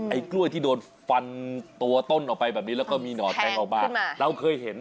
กล้วยที่โดนฟันตัวต้นออกไปแบบนี้แล้วก็มีหนอดแปลงออกมาเราเคยเห็น